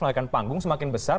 melahirkan panggung semakin besar